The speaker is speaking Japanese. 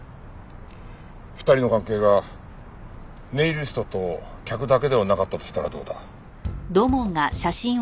２人の関係がネイリストと客だけではなかったとしたらどうだ？